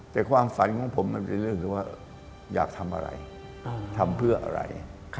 แต่ความฝันของผมมันเป็นเรื่องที่ว่าอยากทำอะไรทำเพื่ออะไร